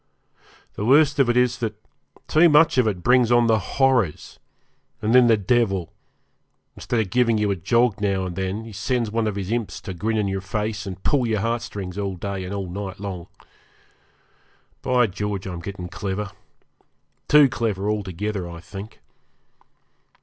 The worst of it is that too much of it brings on the 'horrors', and then the devil, instead of giving you a jog now and then, sends one of his imps to grin in your face and pull your heartstrings all day and all night long. By George, I'm getting clever too clever, altogether, I think.